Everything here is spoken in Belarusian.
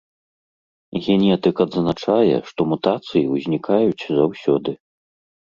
Генетык адзначае, што мутацыі ўзнікаюць заўсёды.